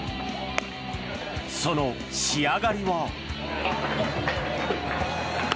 その仕上がりは。